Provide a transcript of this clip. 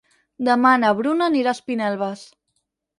Demà na Bruna anirà a Espinelves.